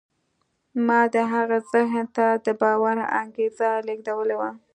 ما د هغه ذهن ته د باور انګېزه لېږدولې وه